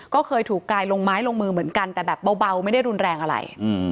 ก็เคยถูกกายลงไม้ลงมือเหมือนกันแต่แบบเบาไม่ได้รุนแรงอะไร